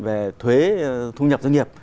về thuế thu nhập doanh nghiệp